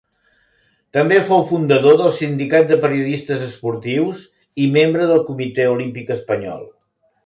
També fou fundador del Sindicat de Periodistes Esportius i membre del Comitè Olímpic Espanyol.